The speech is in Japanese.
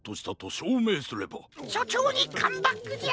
しょちょうにカムバックじゃ！